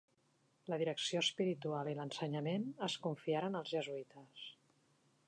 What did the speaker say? La direcció espiritual i l'ensenyament es confiaren als jesuïtes.